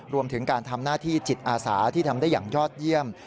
รวมถึงการทำหน้าที่จิตอาสาที่ทำได้อย่างยอดเยี่ยม